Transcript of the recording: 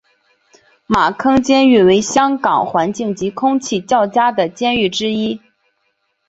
马坑监狱为香港环境及空气较佳的监狱之一。